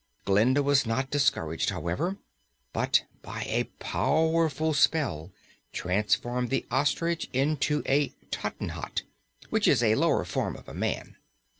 Glinda was not discouraged, however, but by a powerful spell transformed the ostrich into a tottenhot which is a lower form of a man.